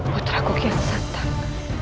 putraku kian santang